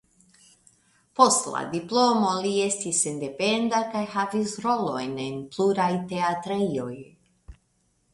Post la diplomo li estis sendependa kaj havis rolojn en pluraj teatrejoj.